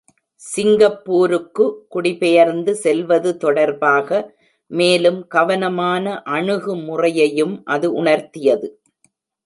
சிங்கப்பூருக்கு குடியெர்ந்து செல்வது தொடர்பாக மேலும் கவனமான அணுகுமுறையையும் அது உணர்த்தியது.